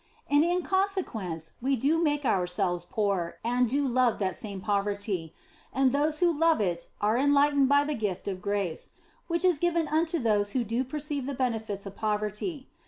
And in consequence we do make ourselves poor and do love that same poverty, and those who love it are enlightened by the gift of grace (which is given unto those who do perceive the benefits of poverty).